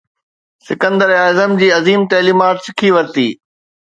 سڪندر اعظم جي عظيم تعليمات سکي ورتي